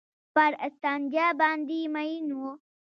پر استنجا باندې مئين وو.